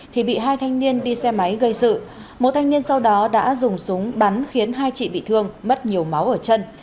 thì bị hai thanh niên đi xe máy gây sự một thanh niên sau đó đã dùng súng bắn khiến hai chị bị thương mất nhiều máu ở chân